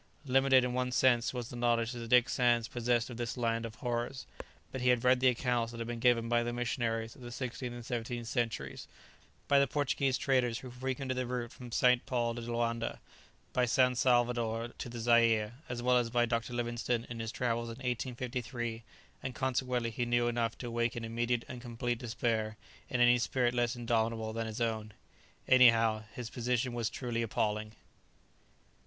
Limited, in one sense, was the knowledge that Dick Sands possessed of this land of horrors; but he had read the accounts that had been given by the missionaries of the sixteenth and seventeenth centuries, by the Portuguese traders who frequented the route from St. Paul de Loanda, by San Salvador to the Zaire, as well as by Dr. Livingstone in his travels in 1853, and consequently he knew enough to awaken immediate and complete despair in any spirit less indomitable than his own. Anyhow, his position was truly appalling.